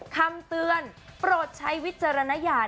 คำเตือนโปรดใช้วิจารณญาณ